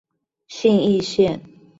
信義線